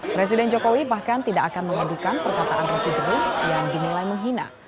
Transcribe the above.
presiden jokowi bahkan tidak akan mengadukan perkataan roky gerung yang dinilai menghina